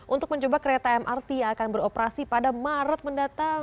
untuk mencoba kereta mrt yang akan beroperasi pada maret mendatang